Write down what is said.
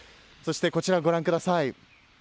そしてこちらご覧ください。